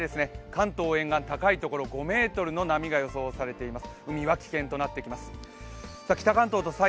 関東沿岸高い所、５ｍの波が予想されています。